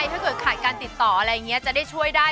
ถ้าเกิดขาดการติดต่อจะได้ช่วยได้